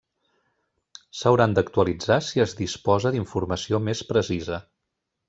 S'hauran d'actualitzar si es disposa d'informació més precisa.